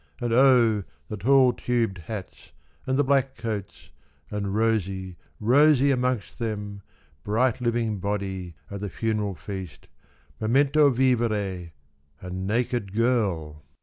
x4nd oh, the tall tubed hats and the black coats And rosy, rosy amongst them' — Bright living body at the funeral feast, Memento Vivere — a naked girl